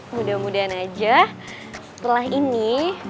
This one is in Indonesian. mudah mudahan aja setelah ini